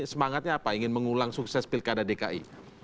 semangatnya apa ingin mengulang sukses pilkada dki